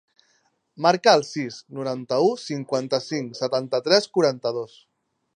Marca el sis, noranta-u, cinquanta-cinc, setanta-tres, quaranta-dos.